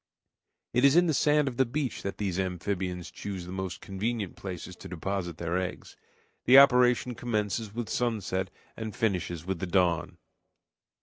It is in the sand of the beach that these amphibians choose the most convenient places to deposit their eggs. The operation commences with sunset and finishes with the dawn.